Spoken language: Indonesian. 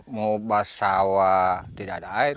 mau bahas sawah tidak ada air